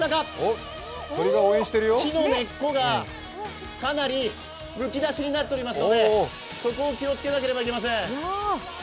木の根っこがかなりむき出しになっておりますので、そこを気をつけなければいけません。